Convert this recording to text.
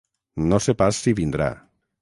No sé pas si vindrà.